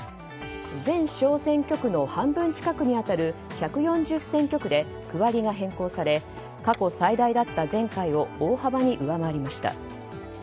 全小選挙区の半分近くに当たる１４０選挙区で区割りが変更され過去最大だった前回を大幅に上回りました。